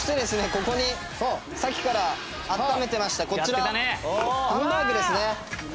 ここにさっきから温めてましたこちらハンバーグですね。